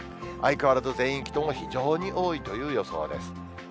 相変わらず、全域とも非常に多いという予想です。